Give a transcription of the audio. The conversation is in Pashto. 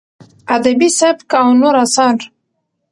ادبي سبک او نور اثار: